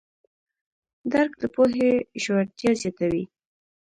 درک د پوهې ژورتیا زیاتوي.